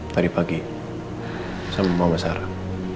tadi pagi sama mama sarah